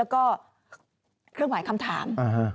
เครื่องหมายคำถาม